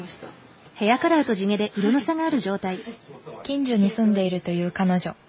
近所に住んでいるという彼女。